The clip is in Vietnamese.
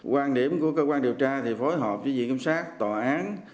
quan điểm của cơ quan điều tra thì phối hợp với diện kiểm soát tòa án